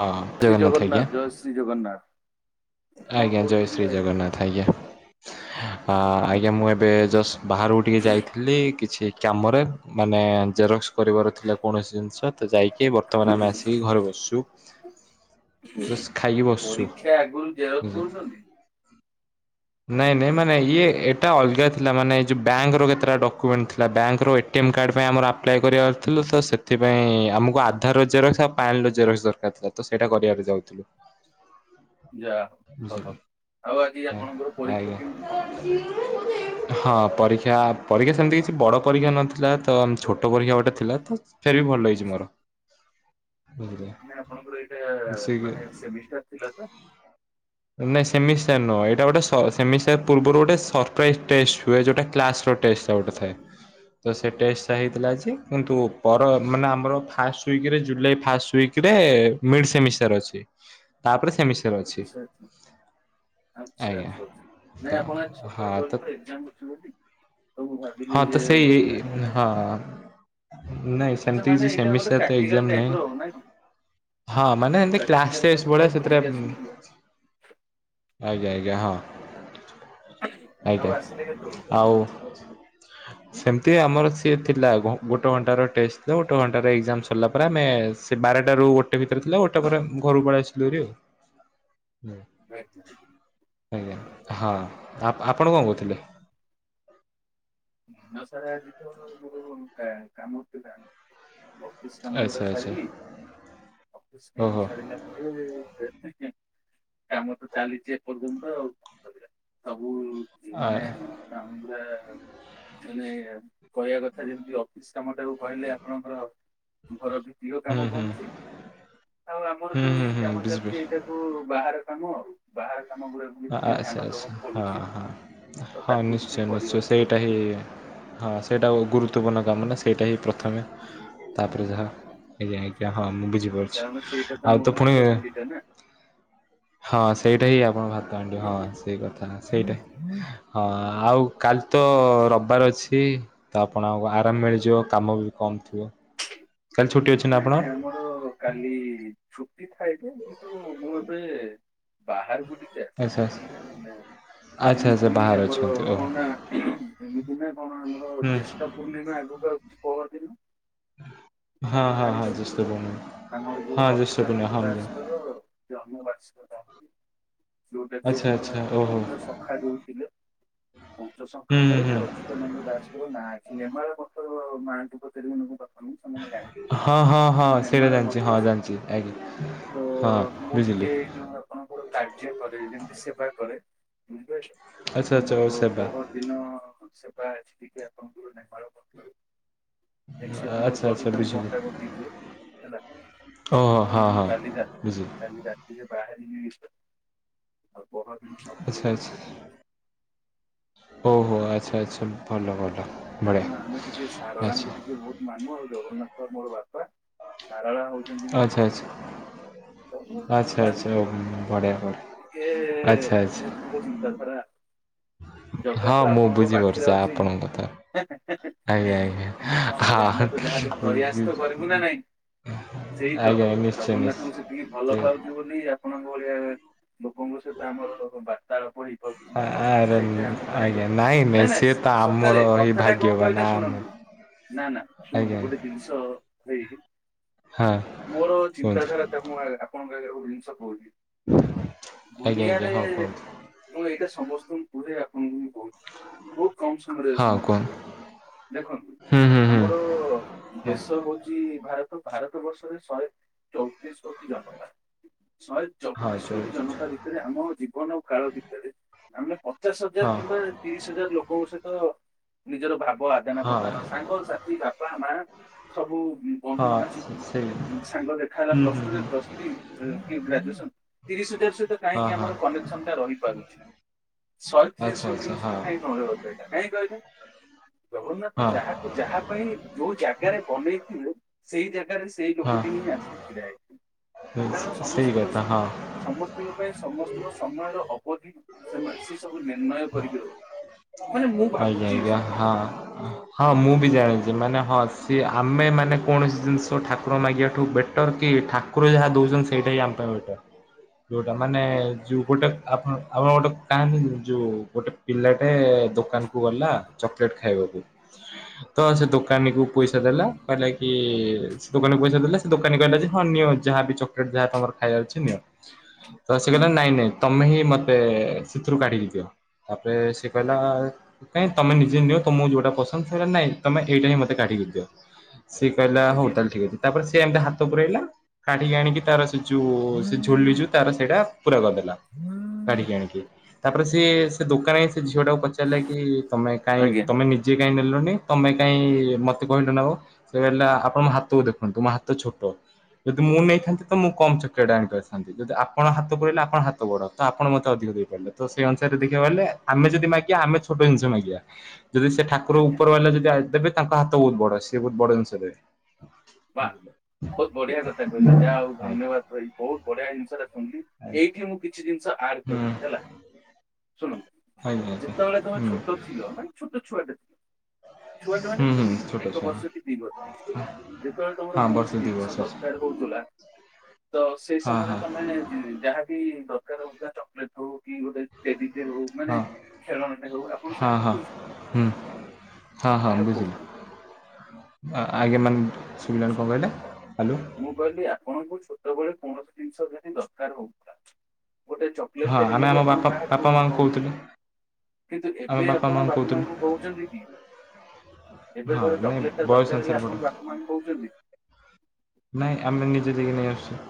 ହଁ ଶ୍ରୀ ଆଜ୍ଞା ଜଗନ୍ନାଥ ଜୟ ଶ୍ରୀ ଜଗନ୍ନାଥ। କଣ ଆଜ୍ଞା ଜୟ କରୁଛନ୍ତି ଶ୍ରୀ ଭାଇ ଜଗନ୍ନାଥ ଆଜ୍ଞା। ଆଜ୍ଞା ମୁଁ ଏବେ ଜଷ୍ଟ ବାହାରକୁ ଟିକେ ଯାଇଥିଲି କିଛି କାମରେ ମାନେ ଜେରକ୍ସ କରିବାର ଥିଲା କୌଣସି ଜିନିଷ। ତ ଯାଇକି ବର୍ତ୍ତମାନ ଆମେ ଆସିକି ଘରେ ବସିଚୁ ଜଷ୍ଟ ଖାଇକି ବସିଚୁ। ସେ ଆଗୁରୁ ଉଁ ହୁ। ନାଇଁ ନାଇଁ ମାନେ ଇଏ ଏଇଟା ଅଲଗା ଥିଲା ମାନେ ଏ ଯଉ ବ୍ୟାଙ୍କର କେତେଟା ଡକ୍ୟୁମେଣ୍ଟ ଥିଲା ବ୍ୟାଙ୍କର। ଟିଏମ୍ କାର୍ଡ଼ ପାଇଁ ଆମର ଆପ୍ଲାଏ କରିବାର ଥିଲୁ ତ ସେଥିପାଇଁ ଆମକୁ ଆଧାର ଜେରକ୍ସ ଆଉ ପ୍ୟାନ୍ ର ଜେରକ୍ସ ଦରକାରଥିଲା। ତ ସେଇଟା କରିବାରେ ଯାଉଥିଲୁ। ଯା ବୁଝିଲେ ଭଲ ଆଉ ଆଜି ଆପଣଙ୍କର ପରୀକ୍ଷା ଆଜ୍ଞା। କେମତି କଣ ହେଲାବେ। ହଁ ପରୀକ୍ଷା ପରୀକ୍ଷା ସେମିତି କିଛି ବଡ ପରୀକ୍ଷା ନଥିଲା ତ ଛୋଟ ପରୀକ୍ଷା ଗୋଟେ ଥିଲା ତ ଫରେ ବି ଭଲ ହେଇଚି ମୋର। ବୁଝିଲେ। ଆପଣଙ୍କର ଏଇଟା ସେ ମାନେ ସେମିଷ୍ଟାର ଥିଲା ତ? ନାଇଁ ସେମି ସେ ନ ଏଇଟା ଗୋଟେ ସେମି ସେୟାର୍ ପୂର୍ବରୁ ଗୋଟେ ସରପ୍ରାଇଜ ଟେଷ୍ଟ ହୁଏ ଯୋଉଟା କ୍ଲାସ ର ଟେଷ୍ଟ ଗୋଟେଥାଏ। ତ ସେ ଟେଷ୍ଟ ହେଇଥିଲା ଆଜି କିନ୍ତୁ ପର ମାନେ ଆମର ଫାଷ୍ଟ ୱିକରେ ଜୁଲାଇ ଫାଷ୍ଟ ୱିକ ରେ ମିଡ ସେମିଷ୍ଟାର ଅଛି ତାପରେ ସେମି ଆଚଛା ଆଚ୍ଛା ଆଜ୍ଞା। ଆଚ୍ଛା ଆଚ୍ଛା। ତ ନାଇଁ ଆପଣ ଆଜି ହଁ ସକାଳେ ତ କହୁଥିଲେ ଏକ୍ଜାମ ଦୋଉଚନ୍ତି ବୋଲି। ତ ମୁଁ ଭାବିଲି ହଁ ଯେ ତ ସେଇ ଆଜି ମାନେ ହଁ। ନାଇଁ ଆଚ୍ଛା ସେମିତି ମାନେ କିଛି ଏଇଟା ଗୋଟେ ସେମିଷ୍ଟାର ତ ପ୍ରାକ୍ଟିକାଲ ଏକ୍ଜାମ ଟାଇପ ନାଇଁ। ର ନା କି ହଁ ମାନେ ଏମିତି କ୍ଲାସ ପ୍ରାକ୍ଟିକାଲ ସ୍ତେସ ଯେମିତି ଭଲିଆ ଯାଇ ସେଥିରେ ବୁଲିକି ଆବମ ଆସନ୍ତୁ ଆଜ୍ଞା ଆଜ୍ଞା ହଁ ଆଉ ଆଜ୍ଞା ଆସିଲେ କେତେବେଳକୁ ଆଉ ସେମିତି ଆମର ସିଏ ଥିଲା ଗୋଟେ ଘଣ୍ଟାର ଟେଷ୍ଟ ଗୋଟେ ଘଣ୍ଟାର ସରିଲା ପରେ ଆମେ ସେ ବାରଟା ରୁ ଗୋଟେ ଭିତରେ ଥିଲା ଗୋଟେ ପରେ ଘରକୁ ପଳେଇ ଆସଥିଲୁ ଭାରି। ହ ଆଜ୍ଞା ହଁ ଆପଣ କଣ କହୁଥିଲେ? ଆଉ ସାର୍ ଆଜି ତ ମୋର କା କାମଥିଲା। ଅଫିସ କାମ ଆଚ୍ଛା ଗୁଡ଼ା ଆଚ୍ଛା ସାରିଲି ଅଫିସ କାମ ଓହୋ। ସାରିଲା [unintelligible] କାମ ତ ଚାଲିଛି ଏପର୍ଯ୍ୟନ୍ତ ସବୁ ଆ ମାନେ କାମର ତାନେ କହିବା କଥା ଯେମିତି ଅଫିସ କାମ ଟାକୁ କହିଲେ ଆପଣଙ୍କର ଘର ଭିତ୍ତିକ ହୁଁ କାମ ହୁଁ ବନୁଛି ଆଉ ଆମର ହୁଁ ଯୋଉ ହୁଁ ଏଇ ହୁଁ କାମ ବୁଝିପାରୁଛି। ଚାଲିଛି ଏଇଟା କୁ ବାହାର କାମ ଆଉ ବାହାର କାମ ଗୁଡାକୁ ବି ଆଚ୍ଛା ଟିକେ ଧ୍ୟାନ ଆଚଛା ଦବାକୁ ହଁ ପଡୁଛି ହଁ ତ ହଁ ତାକୁ ଟିକେ ନିଶ୍ଚୟ ନିଶ୍ଚୟ କରିବାକୁ ସେଇଟା ପଡୁଛି ହେ ଆଉ। ହଁ ସେଇଟା ଗୁରୁତ୍ୱପୂର୍ଣ୍ଣ କାମ ନା ସେଇଟା ହିଁ ପ୍ରଥମେ ତାପରେ ଯାହା ଆଜ୍ଞା, ଆଜ୍ଞା ହଁ ମୁଁ ବୁଝିପାରୁଛି କାରଣ ସେଇଟା ଆମ ଆଉ ତ ଭାତ ପୁଣି ହାଣ୍ଡି ଟା ନା। ହଁ ସେଇଟା ହିଁ ଆପଣ ଭାତ ହାଣ୍ଡି ହଁ ସେଇ କଥା ସେଇଟା ନାଇଁ ହିଁ ହଁ। ଆଉ କାଲି ତ ରବିବାର ଅଛି। ତ ଆପଣଙ୍କୁ ଆରାମ ମିଳିଯିବ କାମ ବି କମ ଥିବ କାଲି ଛୁଟି ଅଛି ନା ଆପଣଙ୍କର? ର କାଲି ଛୁଟି ଥାଏ ଯେ କିନ୍ତୁ ମୁଁ ଏବେ ବାହହାରକୁ ଟିକେ ଆଛା ଆଛା। ଏମିତି ବି ଆମର କଣ ନା ଏମତି ନା କଣ ଆମର ହୁଁ ଯେଷ୍ଟ ପୂର୍ଣ୍ଣିମା ଆଗୁକୁ ଆଉଛି ପହର ଦିନ। ହଁ ଆପଣ ହଁ ହଁ ଜାଣିଛନ୍ତି ଜ୍ୟେଷ୍ଠ ପୂର୍ଣ୍ଣିମା ଆମର ଯୋଉ ହଁ ଜ୍ୟେଷ୍ଠ ଅଛୁତାନନ୍ଦ ପୂର୍ଣ୍ଣିମା ହଁ ଦାସଙ୍କର ଜନ୍ମ ବାର୍ଷିକ ଦା ଯୋଉଟା କି ଆଚ୍ଛା ଆମର ଆଚ୍ଛା ଓହୋ ପଞ୍ଚ ସଖା କୋଉଠିଥିଲେ ପଞ୍ଚ ହୁଁ ସଂଖା ହୁଁ ରେ ହୁଁ ଯାଉଚି। ଅଚ୍ୟୂତା ଦାସ ଙ୍କ ନାଁ ଅଛି ନେମାଳ ପଥର ମାହାନ୍ତି [unintelligible] ହଁ ହଁ ହଁ ସେଇଟା ନେମାଳ ଜାଣିଛି ମଠ ହଁ ଜାଣିଛି ଆଜ୍ଞା ତ ହଁ ମୁଁ ଟିକେ ବୁଝିଲି। ଯୋଉ ଆପଣଙ୍କର କାର୍ଯ୍ୟ କରେ ଯେମିତି ସେବା କରେ ବୁଝିପାରୁଛ ଆଚ୍ଛା ତ ଆଚ୍ଛା ଓ ମୋର ସେବା ବହୁତ ଦିନ ସେବା ଅଛି ଟିକେ ଆପଣଙ୍କର ନେମାଳ ମଠରୁ ଯେ ଝିଅ ଆଚ୍ଛା ଆଚ୍ଛା ଦହି ପାଣିବ ବୁଝିଲି ତ ହଁ ମୁଁ ହଁ କାଲି ରା ବୁଝିଲି। କାଲି ରାତିିରେ ବାହାରିବି ପହରଦିନ ସପିଙ୍ଗ ଶେଷ। ଓ ହୋ ଆଚ୍ଛା ଆଚ୍ଛା ଭଲ ଭଲ ବଢିଆ ଆଛା। ମାମୁଁ ଆଉ ଜଗନ୍ନାଥଙ୍କ ମୋର ବାପା ସାରାଳା ହଉଚି ଆଚ୍ଛା ଆଚ୍ଛା ଆଚ୍ଛା ଚାଲିଛୁ ଆଚ୍ଛା ବଢିଆ ଟିକେ ବଢିଆ ଆଚ୍ଛା ଆଚ୍ଛା। ଆଧ୍ୟାତ୍ମିକ ଚିନ୍ତାଧାରା ଜଗା ହଁ ତ ମୁଁ ଆପଣଙ୍କ ପାଖରେ ବୁଝିପାରୁଛି ଅଛି। ଆପଣଙ୍କ କଥା ଆଜ୍ଞା ଆଜ୍ଞା କିନ୍ତୁ କଣ କରିବା ଆମେ ହଁ ତ ଯାହାଲେ ପ୍ରୟାସ ତ କରିବୁ ନା ନାଇଁ। ସେଇ ତ ହ ଆଜ୍ଞା ଆଜ୍ଞା ନିଶ୍ଚୟ ଜଗନ୍ନାଥଙ୍କୁ ସେତିକି ଭଲ ନିଶ୍ଚୟ ପାଉ ବୋଲି ଆପଣଙ୍କ ଭଳିଆ ଲୋକଙ୍କ ସହିତ ଆମର ବାର୍ତ୍ତାଳାପ ହେଇଛି। ଆରେ ସେଇଟା ଆମ ପାଇଁ ଆଜ୍ଞା ବହୁତ ନାଇଁ ନାଇ ସିଏ ତ ଆମର ସକାଳେ ହିଁ କଥାଟା କଣ ଭାଗ୍ୟବାନ କହିଲେ ଆମେ ଶୁଣନ୍ତୁ। ନା ନା ଶୁଣନ୍ତୁ ଆଜ୍ଞା ଗୋଟେ ଜିନିଷ ଭାଇ ହଁ ମୋର କୁହନ୍ତୁ ଚିନ୍ତାଧାରା ତା ମୁଁ ଆପଣଙ୍କ ଆ ଗୋଟ ଜିନିଷ କହୁଛି। ଆଜ୍ଞା ଆଜ୍ଞା ଦୁନିଆରେ ହଁ କୁହନ୍ତୁ। ମୁଁ ଏଇଟା ସମସ୍ତଙ୍କୁ କୁହେ ଆପଣଙ୍କୁ କହୁଛି ବହୁତ କମ ସମୟରେ ସମାପ୍ତ କରିବି। ହୁ ହୁ ହୁ। ଓ ଦେଶ ହଉଛି ଭାରତ ଭାରତ ବର୍ଷରେ ଶହେ ଚଉତିିଶ କୋଟି ଜନତା ଶହେ ହଁ ଚବିଶ କୋଟି ଚଳିଛି ଜନତା ଭିତରେ ଆମ ଜୀବନ ଆ କାଳ ଭିତରେ ଆମେ ପଚାଶ ହଜାର ହଁ କିମ୍ବା ତିରିଶ ହଜାର ଲୋକଙ୍କ ସହିତ ନିଜର ଭାବ ଆଦାନ ହଁ ପ୍ରଦାନ ସାଙ୍ଗ ସାଥି ଥି ବାପା ମା ସବୁ ବନ୍ଧୁ ଶ ହଁ ସେଇ ସାଙ୍ଗ ଦେଖା ହେଲା ହୁଁ ପ୍ଲସ ହୁଁ ହୁଁ ଟୁରେ ପ୍ଲସ ଥ୍ରୀ କି ଗ୍ରାଜୁଏସନ ତିରିଶ ହଜାର ସହିତ ହଁ କାହିଁକି ହଁ ଆମର କନେକ୍ସନ ଟା ରହିପାରୁଛି? ଶହେ ତିରିଶ ଆଚ୍ଛା ଆଚ୍ଛା କୋଟିିଙ୍କ ହଁ ସହିତ [unintelligible] କାହିଁ କହିଲେ ଜଗନ୍ନାଥ ହଁ ଯାହା ଯାହା ପାଇଁ ଯୋଉ ଜାଗାରେ ବନେଇଥିଲୁ ସେଇ ଜାଗାରେ ସେଇ ଲୋକଟି ହଁ ହିଁ ଆସିକି ଛିଡ଼ା ହେଇଛି। କାରଣ ସେଇ ସମସ୍ତଙ୍କ ସ କଥା ହଁ। ସମସ୍ତଙ୍କ ପାଇଁ ସମସ୍ତଙ୍କ ସମୟର ଅବଧି ସେମାନେ ସ ସବୁ ନିର୍ଣ୍ଣୟ କରିକି ର ଆଜ୍ଞା ଆଜ୍ଞା ହଁ ହଁ ମୁଁ ଆଉ ବି ଜାଣିଛିି। ଯେମାନେ ହଁ ସିଏ ଆମେ ମାନେ କୌଣସି ଜିନିଷ ଠାକୁର ମାଗିବାଠୁ ବେଟର୍ କି ଠାକୁ କୁର ଯାହା ଦଉଛନ୍ତି ସେଇଟା ଆମ ପାଇଁ ବେଟର। ଯୋଉଟା ମାନେ ଆଜ୍ଞା ଯୋଉ ଗୋଟେ ଆପଣ ଆମର ଗୋଟେ କାହାଣି ଯୋଉ ଗୋଟେ ପିଲାଟେ ଦୋ କାନ କୁ ଗଲା ଚକ୍ଲେଟ୍ ଖାଇବାକୁ ତ ସେ ଦୋକାନୀ କୁ ପଇସା ଦେଲା କି ସେ ଦୋକାନକୁ ପଇସା ଦେଲା ସେ ଦୋକାନୀ କହିଲା ଯେ ହଁ ନିଅ ଯାହାବି ଚକଲେଟ ଯାହା ତମର ଖାଇବାର ଅଛି ନିଅ। [inaudible] ତ ସେ କହିଲା ହୁଁ ନାଇଁ ନାଇଁ ତମେ ହିଁ ମତେ ସେଥିରୁ କାଢ଼ିକି ଦିଅ ତାପରେ ସେ କହିଲା ଆଜ୍ଞା କାଇଁ ତମେ ନିଜେ ନିଅ ତମକୁ ଯଉଟା ପସନ୍ଦ ସେ ନାଇଁ ତମେ ଏଇଟା ହିଁ ମତେ କାଢିକି ଦିଅ। ସିଏ କହିଲା ହଉ ଆଜ୍ଞା। ତାହେଲେ ଠିକ ଅଛି ତାପରେ ସେ ଏମତି ହାତ ପୁରେଇଲା କାଢିକି ଆଣିକି ତାର ସ ଯୋଉ ସେ ଝୁଲି ଯୋଉ ତାର ସେଇଟା ପୁରା କରିଦେଲା କାଢିକି ଆଣିକି। ତାପରେ ସିଏ ସେ ଦୋକାନି ସେଇ ସେ ଝିଅ ଟାକୁ ପଚାରିଲା କି ତମେ କାଇ ଆଜ୍ଞା ତମେ ନିଜ୍ ଜେ କାହିଁ ନେଲନି ତମେ କାହିଁ ମତେ କହିଲ ନବାକୁ? ସେ କହିଲା ଆପଣ ମୋ ହାତକୁ ଦେଖନ୍ତୁ ମୋ ହାତ ଛୋଟ। ଯଦି ମୁଁ ନେଇଥାନ୍ତି ତ ମୁଁ କମ୍ ଚକଲେଟ ଆଣି ପାରିଥାନ୍ତି ଯଦି ଆପଣ ହାତ ପୁରେଇଲେ ଆପଣ ହାତ ବଡ। ତ ଆପଣ ମତେ ଅଧିକ ଦେଇପାରିଲେ ତ ସେଇ ଅନୁସାରେ ଦେଖିବାକୁ ଗଲେ ଆମେ ଯଦି ମାଗିବା ଆମେ ଛୋଟ ଜିନିଷ ମାଗିଆ ଯଦି ସେ ଠାକୁର ଆଜ୍ଞା ଉପର ବାଲା ଯଦି ଦେବେ ତାଙ୍କ ହାତ ବହୁତ ବଡ ସିଏ ବହୁତ ବଡ ଜିନିଷ ଦେବେ। ବା ବହୁତ ବଢିଆ କଥା କହିଲେ ଯାହା ହଉ ଆଜ୍ଞା ଧନ୍ୟବାଦ ଭାଇ ବହୁତ ବଢିଆ ଜିନିଷ ଟା ଶୁଣିଲି ଆଜ୍ଞା। ଏଇଠି ମୁଁ କିଛି ଜିନିଷ ଆଡ ହୁଁ କରିଲି ହେଲା ଶୁଣନ୍ତୁ ଆଜ୍ଞା ଆଜ୍ଞା ଯେତେବେଳେ ତମେ ହୁଁ ଛୋଟ ଥିଲ ମାନେ ଛୋଟ ଛୁଆଟେଥିଲ ଛୁଆଟେ ମାନେ ହୁଁ ହୁଁ କୁନି ଛୋଟ ଏକ ଛୁଆ ବର୍ଷ କି ଦୁଇ ବର୍ଷ [inaudible] ଯେତେବେଳେ ତମର ହଁ କୌଣସି ବର୍ଷେ ଦି ଜିନିଷ ବର୍ଷ ଅଛି। ଦରକାର ହେଉଥିଲା ତ ସେଇ ହଁ ସମୟରେ ହଁ ତମେ ଯାହାକି ଦରକାର ହେଉଥିଲା ଚକଲେଟ ହଉ କି ଗୋଟେ ଟେଡି ଟେ ହଉ ମାନେ ହଁ ଖେଳନା ଟେ ହଉ ଆପଣ ହଁ କାହାକୁ ହଁ କହୁଛନ୍ତି ହୁଁ ହଁ ହଁ କାହାକୁ ବୁଝିଲି। କହୁଛନ୍ତି ଆଜ୍ଞା ମାନେ ଶୁବିଲାନି କଣ କହିଲେ ହାଲୋ। ମୁଁ କହିଲି ଆପଣଙ୍କୁ ଛୋଟବେଳେ କୌଣସି ଜିନିଷ ଯଦି ଦରକାର ହଉ ଗୋଟେ ଚକୋଲେଟ୍ ହଁ ଟେ ଆମେ ହେଲେ ଆମ ବି ଆପଣ ବାପା ବାପା କାହାକୁ ମାଆଙ୍କୁ କହୁଛନ୍ତି? କହୁଥିଲୁ କିନ୍ତୁ ଆମ ଏବେ ଆପଣ ମାଆଙ୍କୁ ବାପା କହୁଥିଲୁ। ମାଙ୍କୁ କହୁଛନ୍ତି କି? ଏବେ ହଁ ଧର ନାଇଁ ଚକୋଲେଟ୍ ଟେ ବୟସ ଦରକାର ହେଲେ ଅନୁସାରେ ପଟା ଆପଣ ବାପା ମାଙ୍କୁ କହୁଛନ୍ତି? ନାଇଁ ଆମେ ନିଜେ ଯାଇକି ନେଇ ଆସୁଛେ।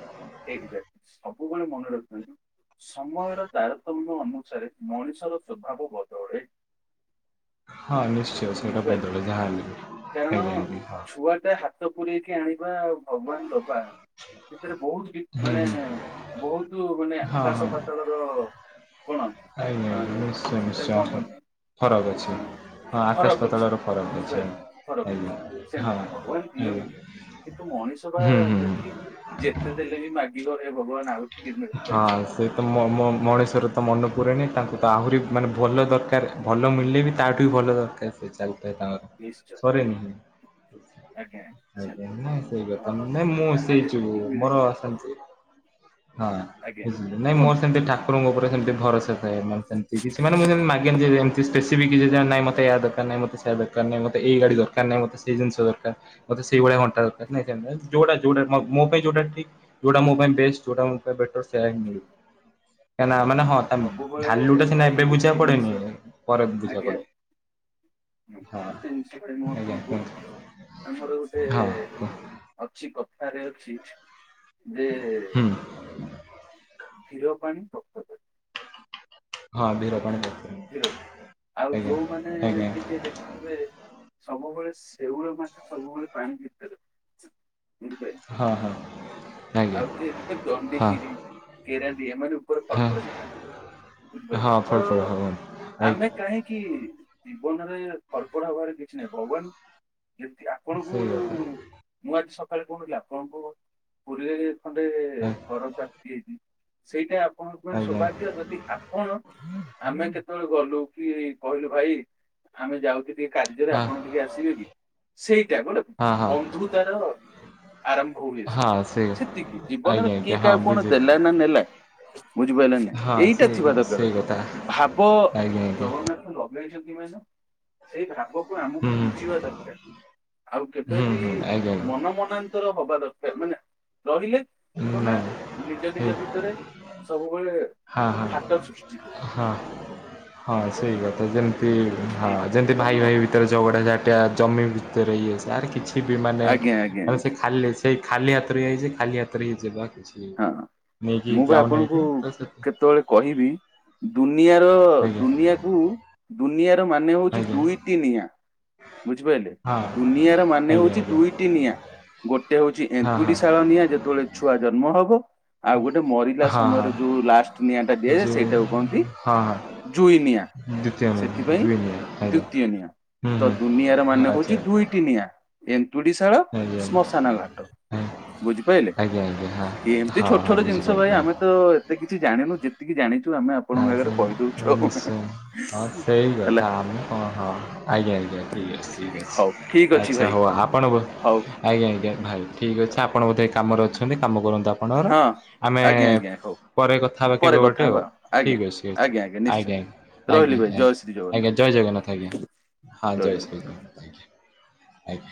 ଏକଜାକ୍ଟ ସବୁବେଳେ ମନେ ରଖିଥାନ୍ତୁ ସମୟର ତାରତମ୍ୟ ଅନୁସାରେ ମଣିଷର ସ୍ଵଭାବ ବଦଳେ। ହଁ ନିଶ୍ଚୟ ସେଇଟା ବୁଝିପାରିଲେ ବଦଳେ ଯାହା ହେଲେବି ଆଜ୍ଞା ଆଣ୍ଟି। କୁଆଡ଼େ ହାକ୍ ତ ପୁଣି ଏଠି ଆଣିବା ଆଉ ଭଗବାନ ଦବା ସେଥିରେ ବହୁତ କିଛି ହୁଁ ମାନେ ହୁଁ ବହୁତ ମାନେ ହଁ ହଁ ଆକାଶ ପା ପାତାଳର କଣ ଅ ଆଜ୍ଞା ନିଶ୍ଚୟ ସେଟା କଣ ନିଶ୍ଚୟ କହନ୍ତି ଫରକ୍ ଅ ଅଛି। ହଁ ଫରକ ଆକାଶ ଅଛି ପାତାଳର ଫରକ ଅଛି ବୁଝିପାରିଲେ ଫରକ ଅଛି ଆଜ୍ଞା ହଁ ସେମିତି ଭଗବାନ ଆଜ୍ଞା। ଦିଅନ୍ତି। କିନ୍ତୁ ମଣିଷ ବା ହୁଁ ହୁଁ ଦୁଃଖୀ ଯେତେ ଦେଲେ ବି ମାଗିବ ହେ ଭଗବାନ ଆଉ ଟିକେ ମିଳନ୍ତା କି? ସେ ତ ମ ମ ମଣିଷର ତ ମନେ ପୁରେନି ତାଙ୍କୁ ତ ଆହୁରି ମାନେ ଭଲ ଦରକାରେ। ଭଲ ମିଳିଲେ ବି ତାଠୁ ବି ଭଲ ଦରକାର ସେ ଚାଲିଥାଏ ତାଙ୍କର ନିଶ୍ଚୟ ସରେନି ଆଜ୍ଞା। ସେ- ଆଜ୍ଞା ନା ସେଇ କଥା ଅ, ନାହିଁ ମୁଁ ଯାହା ସେଇ ଯୋଉ ଯେତିକି ମୋର ମିଳିଛି ସେମିତି କିଛି ହଁ ଆଜ୍ଞା ବୁଝିଲି ନାଇଁ ମୋର କୁହନ୍ତୁ ସେମିତି ଠାକୁ ଠାକୁର ଙ୍କ ଉପରେ ଯେମତି ଭରସା ଥାଏ ସେମିତି କିଛି ମାନେ ମୁଁ ସେମିତି ମାଗେନି ଯେ ଯେମତି ସ୍ପେସିଫିକ କିଛି ନାହିଁ ମତେ ଏୟା ଦରକାର ନାହିଁ ମତେ ସେୟା ଏଇଟା ଦରକାର ନାହିଁ ମତେ ଏଇ ଗାଡ଼ି ଦରକାର ନାହିଁ ମତେ ସେ ଜିନିଷ ଦରକାର ମତେ ସେଇଭଳିଆ ଘଣ୍ଟା ଦରକାର। ନାହିଁ ସେମିତି ନାହିଁ ଯୋଉଟା ଯୋଉଟା ମୋ ପାଇଁ ଯୋଉଟା ଠିକ୍ ଯୋଉଟା ମୋ ପାଇଁ ବେଷ୍ଟ ଯୋଉଟା ମତେ ବେଟର ସେୟର ମିଳୁ। କାହିଁକି ନା ଏମାନେ ହଁ ମୁଁ ସବୁବେଳେ ଢାଲୁ ଟା ସିନା ଭାଇ ଏବେ ଗୋଟିଏ ବୁଝା ଜିନିଷ ପଡେନି ପରେ ବୁଝା ପଡେ। ହଁ! ଗୋଟେ ଜିନିଷ ପାଇଁ ମୁଁ ଆଜ୍ଞା ଆପଣଙ୍କୁ କୁହନ୍ତୁ କହୁଛି ଆମର ଗୋଟେ ହଁ କୁହ ଅଛି କଥାରେ ଅଛି ଯେ ହୁଁ ଧୀର ପାଣି ପଥର କାଟେ। ହଁ ଧୀର ପାଣି ପଡିଥିଲା। [inaudible] ଆଉ ଆଜ୍ଞା ଯୋଉମାନେ ଆଜ୍ଞା ଟିକେ ଦେଖୁଥିବେ ସବୁବେଳେ ଶେଉଳ ମାଛ ସବୁବେଳେ ପାଣି ଭିତରେ ଥା ବୁଝିପାଇଲେ। ହଁ ହଁ ଆଜ୍ଞା ଆଉ ଯେ ହଁ ଦଣ୍ଡିକିରି କେରାଣ୍ଡି ଏ ମାନେ ଉପରେ ଫଡ ହଁ ଫଡ ହେଇଥାନ୍ତି। ବୁଝିପାରିଲେ ହଁ ଫଡ଼ ଫଡ଼ ତ ହଁ ଆ ଆମେ କାହିଁକି ଜୀବନରେ ଫଡ୍ ଫଡ୍ ହବାରେ କିଛି ନାହିଁ ଭଗବାନ ଯଦି ସେଇ କଥା ମୁଁ ଆଜି ସକାଳେ କହୁନଥିଲି ଆପଣଙ୍କୁ ପୁରୀରେ ଖଣ୍ଡେ ଆ ଘର ପ୍ରାପ୍ତି ହେଇଛିି। ସେଇଟା ଆପଣଙ୍କ ପାଇଁ ଆଜ୍ଞା ସୌଭାଗ୍ୟ ଯଦି ଆପଣ ଆମେ କେତେବେଳେ ଗଲୁ କି କହିଲୁ ଭାଇ ଆମେ ଯାଉଛୁ ଟିକେ କାର୍ଯ୍ୟରେ ହଁ ଆପଣ ଟିକେ ଆସିବେ କି? ସେଇଟା ଗୋଟେ ହଁ ହଁ। ବନ୍ଧୁତାର ତାର ଆରମ୍ଭ ହୁଏ ସେଇଠି ହଁ ସେଇ ସେତିକି ଜୀବନରେ ଆଜ୍ଞା କିଏ ଆଜ୍ଞା ହଁ କାହାକୁ କଣ ବୁଝିଲି ଦେଲା ନା ନେଲା ବୁଝିପାଇଲେ ନା ନାହିଁ। ହଁ ଏଇଟା ସେଇ ଥିବା ଦରକାର। ସେଇ କଥା ଭାବ ଆଜ୍ଞା ଆଜ୍ଞା ଜଗନ୍ନାଥ ଲଗେଇଛନ୍ତି ମେନ୍ ସେ ସେଇ ଭାବକୁ ଆମକୁ ହୁଁ ହୁଁ ବୁଝିବା ଦରକାର। ଆଉ କେବେ ହୁଁ ବି ହୁଁ ଆଜ୍ଞା ମନ ମନାନ୍ତ ନ୍ତର ହବା ଦରକାର ମାନେ ରହିଲେ କଣ ଆଜ୍ଞା ନା ନିଜ ନିଜ ଭିତରେ ସବୁବେଳେ ହା ହା ଫାଟ ସୃଷ୍ଟି କରୁ ହଁ। ହଁ ସେଇ ବୁଝିପାରୁଛନ୍ତି? କଥା ଯେମତି ହଁ ଏଇତ ଯେମତି ଜୀବନ ଭାଇ ଭାଇ ଆଉ। ଭିତରେ ଝଗଡ଼ା ଝାଟିଆ ଜମି ଭିତରେ ଇଏ ଆରେ କିଛି ବି ମାନେ ଆଜ୍ଞା ଆଜ୍ଞା ମାନେ ସେ ଆଜ୍ଞା ଜ ଖାଲି ସେଇ ଖାଲି ହାତରେ ଆଇଚେ ଖାଲି ହାତରେ ହେଇଯିବା କିଛି ହଁ ନେଇକି ମୁଁ ବା ଯାଉନେ ରେ ଆପଣଙ୍କୁ ଏଠି ତ ସେ କେତେବେଳେ କହିବି ଦୁନିଆର ଆଜ୍ଞା ଦୁନିଆକୁ ଦୁନିଆର ମାନେ ହଉଛି ଆଜ୍ଞା ଦୁଇଟି ନିଆଁ। ବୁଝିପାରିଲେ ହଁ ଦୁନିଆର ମାନେ ଆଜ୍ଞା ହଉଛି ଆଜ୍ଞା ଦୁଇଟି ନିଆଁ। ଗୋଟେ ହଉଛି ହଁ ଏନ୍ତୁଡି ହଁ ଶାଳ ନିଆଁ ଯେତେବେଳେ ଛୁଆ ଜନ୍ମ ହବ। ଆଉ ଗୋଟେ ମରିଲା ହଁ ହଁ ସମୟରେ ଯୋଉ ଲାଷ୍ଟ ନିଆଁ ଟା ଦିଆଯାଏ ଯୋଉ ସେଇଟାକୁ କହନ୍ତି ହଁ। ଜୁଇ ନିଆଁ ଦ୍ୱିତୀୟ ସେଥିପାଇଁ ଦୁଇନି ଆଜ୍ଞା ଦୁତୀୟ ନିଆଁ। ହୁଁ ତ ହୁଁ ଦୁନିଆର ମାନେ ଆଚ୍ଛା ହଉଚି ଦୁଇ ଟି ନିଆଁ ଏନ୍ତୁଡ଼ିଶାଳ ଆଜ୍ଞା ଶ୍ମଶାନ ଘାଟ ଆଜ୍ଞା ବୁଝିପାଇଲେ? ଆଜ୍ଞା ଆଜ୍ଞା। ହଁ ଏମିତି ହଁ ଛୋଟ ହଁ ଛୋଟ ଜିନିଷ ଭାଇ ଆମେ ତ ଏତେ କିଛି ଜାଣିନୁ ଯେ ନାଁ ସେ ଆଉ। ନିଶ୍ଚୟ ହଁ ସେଇ ହେଲା କଥା ଆମେ କଣ ହଁ। ଆଜ୍ଞା ଆଜ୍ଞା ଠିକ୍ ଅଛି ଠିକ୍ ଅଛି ହଉ ଠିକ ଅଛି ଆଚ୍ଛା ଭାଇ ହଉ ଆପଣ ହଉ ଆଜ୍ଞା ଆଜ୍ଞା ଭାଇ ଠିକ୍ ଅଛି ଆପଣ ବୋଧେ ଏ କାମରେ ଅଛନ୍ତି କାମ କରନ୍ତୁ ଆପ ପଣର ହଁ ଆମେ ଆଜ୍ଞା ଆଜ୍ଞା ହଉ। ପରେ କଥା ହବା ପରେ କେବେ କଥା ଗୋଟେ ଆଉ। ହେବା ଆଜ୍ଞା ଠିକ୍ ଅଛି ଅଛି ଆଜ୍ଞା ନିଶ୍ଚୟ ଆଜ୍ଞା ରହିଲି ଆଜ୍ଞା ଭାଇ ଜୟ ଶ୍ରୀ ଜଗନ୍ନାଥ ଆଜ୍ଞା ଜୟ ଜଗନ୍ନାଥ ଆଜ୍ଞା। ହଁ ଜୟ ଶ୍ରୀ ରାମ ଆଜ୍ଞା। ଆଜ୍ଞା।